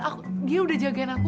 aku dia udah jagain aku